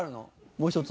もう１つ。